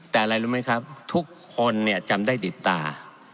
แต่อะไรรู้ไหมครับทุกคนเนี่ยจำได้ติดตา